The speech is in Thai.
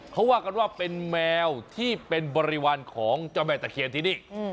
เขาว่ากันว่าเป็นแมวที่เป็นบริวารของเจ้าแม่ตะเคียนที่นี่